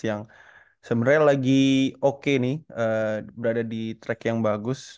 yang sebenarnya lagi oke nih berada di track yang bagus